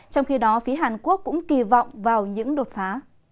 trong khi đó phía hàn quốc cũng kỳ vọng vào những đột phá